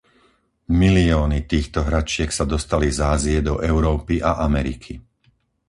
Milióny týchto hračiek sa dostali z Ázie do Európy a Ameriky.